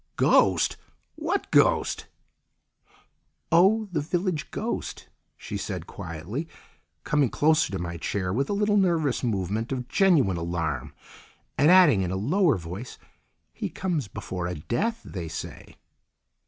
"Ghost! What ghost?" "Oh, the village ghost," she said quietly, coming closer to my chair with a little nervous movement of genuine alarm, and adding in a lower voice, "He comes before a death, they say!"